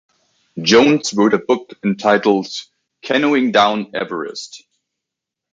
Jones wrote a book entitled "Canoeing Down Everest".